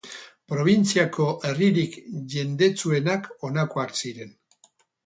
Probintziako herririk jendetsuenak honakoak ziren.